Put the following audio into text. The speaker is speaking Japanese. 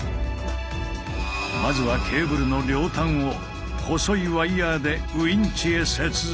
まずはケーブルの両端を細いワイヤーでウインチへ接続。